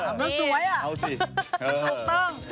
เออหลักสวยอ่ะเอาสิจบเถอะ